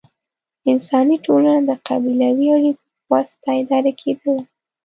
انساني ټولنه د قبیلوي اړیکو په واسطه اداره کېدله.